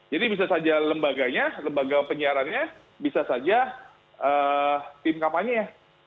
bisa saja lembaganya lembaga penyiarannya bisa saja tim kampanye ya